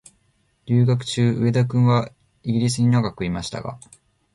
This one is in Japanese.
留学中、上田君はイギリスに長くいましたが、